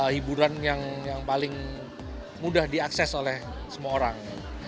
hiburan yang paling mudah diakses oleh semua orang